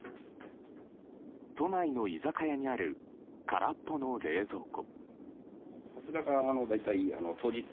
都内の居酒屋にある空っぽの冷蔵庫。